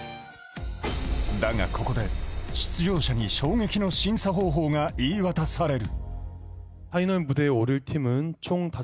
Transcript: だがここで出場者に衝撃の審査方法が言い渡される。